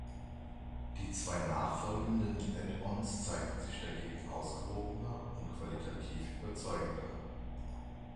Die zwei nachfolgenden Add-ons zeigten sich dagegen ausgewogener und qualitativ überzeugender.